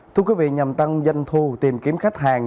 thưa quý vị nhằm tăng doanh thu tìm kiếm khách hàng